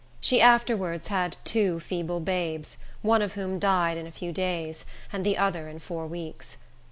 She afterwards had two feeble babes, one of whom died in a few days, and the other in four weeks.